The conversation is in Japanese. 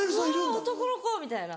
うわ男の子！みたいな。